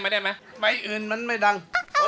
ได้มั้ยมันไม่ดัง